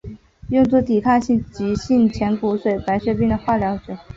用作抵抗性急性前骨髓性白血病的化学疗法。